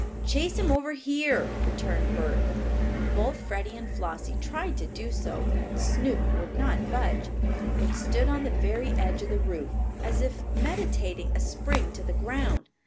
"Chase him over here," returned Bert. Both Freddie and Flossie tried to do so. But Snoop would not budge, but stood on the very edge of the roof, as if meditating a spring to the ground.